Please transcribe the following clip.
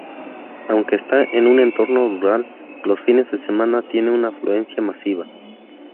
Aunque está en un entorno rural, los fines de semana tiene afluencia masiva.